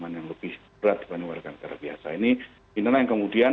melalui peradilan militer